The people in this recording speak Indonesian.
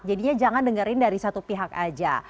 jadinya jangan dengarin dari satu pihak saja